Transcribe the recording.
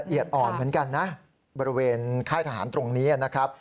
จุดละเอียดอ่อนเหมือนกันนะบริเวณค่าทหารตรงนี้นะครับ